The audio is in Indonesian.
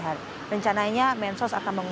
dan rencananya mensos akan